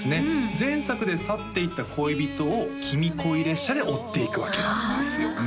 前作で去っていった恋人を君恋列車で追っていくわけなんですよね